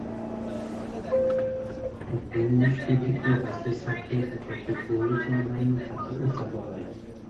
ہتو موشٹو دیکو ہسے ساپھئے ہتے کوکوڑی تو گانی ہتے اوڅہ بغائے